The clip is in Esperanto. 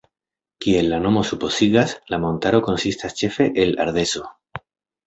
Kiel la nomo supozigas, la montaro konsistas ĉefe el ardezo.